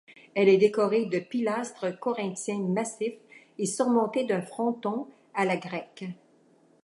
Elle est décorée de pilastres corinthiens massifs et surmontée d'un fronton à la grecque.